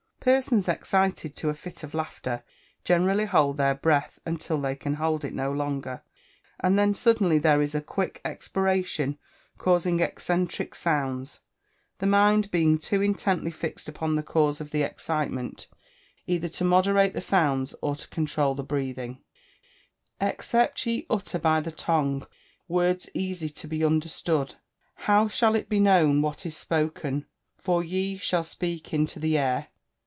Persons excited to a fit of laughter generally hold their breath until they can hold it no longer, and then suddenly there is a quick expiration causing eccentric sounds, the mind being too intently fixed upon the cause of excitement, either to moderate the sounds, or to controul the breathing. [Verse: "Except ye utter by the tongue words easy to be understood, how shall it be known what is spoken? for ye shall speak into the air."